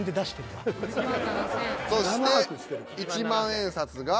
そして１万円札が。